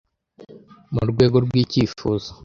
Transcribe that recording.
Mu rwego rwicyifuzo!